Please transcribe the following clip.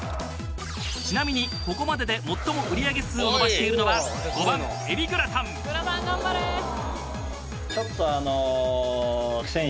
ちなみにここまでで最も売り上げ数を伸ばしているのは５番海老グラタングラタン